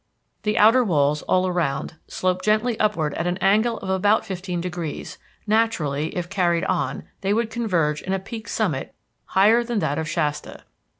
The outer walls, all around, slope gently upward at an angle of about fifteen degrees; naturally, if carried on, they would converge in a peaked summit higher than that of Shasta.